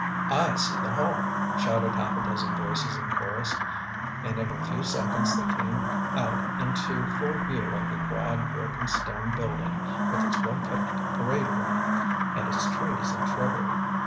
"I see the Hall!" shouted half a dozen voices in chorus. And in a few seconds they came out into full view of the broad brick and stone building, with its well kept parade ground, and its trees and shrubbery.